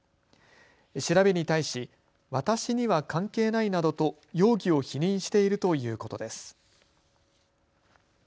調べに対し、私には関係ないなどと容疑を否認しているということです。